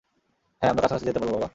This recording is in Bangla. হ্যাঁ, আমরা কাছাকাছি যেতে পারব, বাবা!